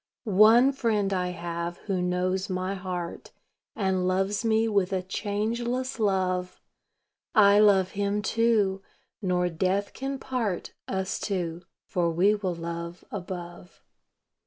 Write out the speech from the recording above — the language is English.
One Friend I have who knows my heart, And loves me with a changeless love; I love Him, too nor death can part Us two, for we will love above.